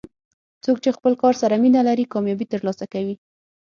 څوک چې خپل کار سره مینه لري، کامیابي ترلاسه کوي.